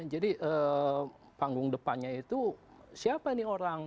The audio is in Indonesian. jadi panggung depannya itu siapa ini orang